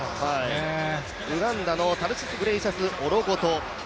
ウガンダのタルシスグレイシャス・オロゴト。